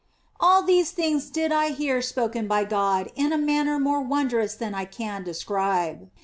All these things did I hear spoken by God in a manner more wondrous than I can describe.